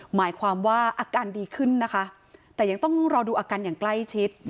หมายความว่าอาการดีขึ้นนะคะแต่ยังต้องรอดูอาการอย่างใกล้ชิด